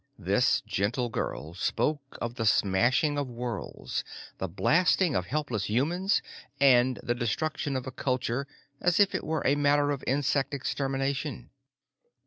This gentle girl spoke of the smashing of worlds, the blasting of helpless humans, and the destruction of a culture as if it were a matter of insect extermination.